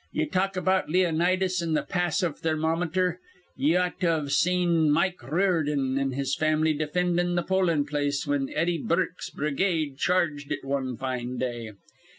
Ye talk about Leonidas an' th' pass iv Thermometer. Ye ought to've seen Mike Riordan an' his fam'ly defindin' th' pollin' place whin Eddie Burke's brigade charged it wan fine day.